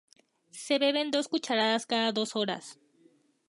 Se beben dos cucharadas cada dos horas.